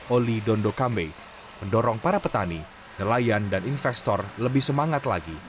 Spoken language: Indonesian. oli dondokambe mendorong para petani nelayan dan investor lebih semangat lagi